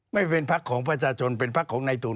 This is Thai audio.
ไม่เป็นพักของประชาชนเป็นพักของนายตูน